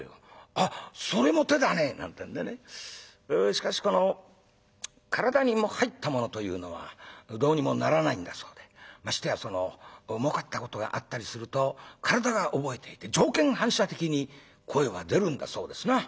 しかしこの体にもう入ったものというのはどうにもならないんだそうでましてやそのもうかったことがあったりすると体が覚えていて条件反射的に声は出るんだそうですな。